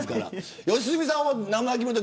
良純さんは。